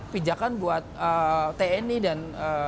pijakan buat tni dan